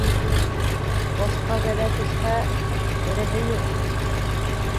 Башҡа бәлә төшһә, береһе юҡ.